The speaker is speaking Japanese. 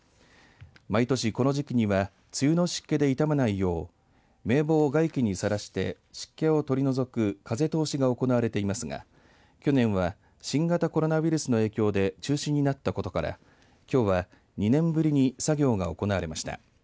毎年この時期には梅雨の湿気で痛まないよう名簿を外気にさらして湿気を取り除く風通しが行われていますが去年は新型コロナウイルスの影響で中止になったことからきょうは２年ぶりに作業が行われました。